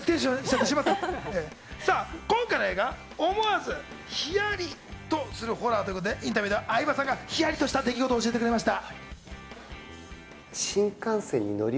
今回の映画、思わずヒヤリとするホラーということでインタビューでは相葉さんがヒヤリとした出来事について教えてくれました。